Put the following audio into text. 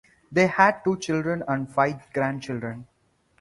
They had two children and five grandchildren.